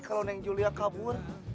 kalau neng julia kabur